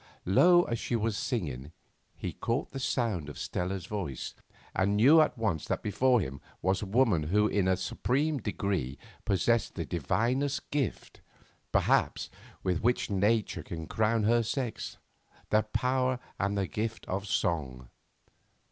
Low as she was singing, he caught the sound of Stella's voice, and knew at once that before him was a woman who in a supreme degree possessed the divinest gift, perhaps, with which Nature can crown her sex, the power and gift of song.